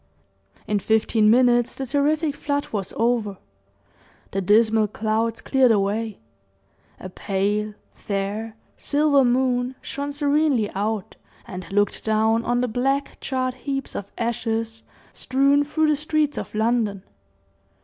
In fifteen minutes the terrific flood was over; the dismal clouds cleared away, a pale, fair, silver moon shone serenely out, and looked down on the black, charred heaps of ashes strewn through the streets of London.